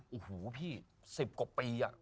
โอ้โหพี่๑๐กว่าปี